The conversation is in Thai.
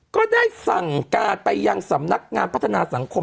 ก็ได้สั่งการไปยังสำนักงานพัฒนาสังคม